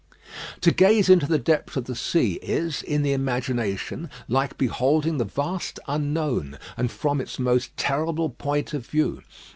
To gaze into the depths of the sea is, in the imagination, like beholding the vast unknown, and from its most terrible point of view.